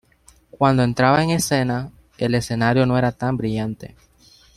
Cuando entraba en escena, el escenario no era tan brillante.